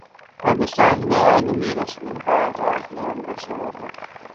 پاکستان میں عالمی ریسلنگ کا اغاز نومبر سے ہوگا